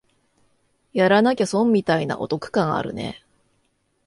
やらなきゃ損みたいなお得感あるね